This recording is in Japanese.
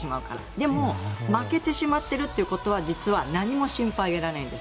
でも、負けてしまっているということは実は何も心配いらないんです。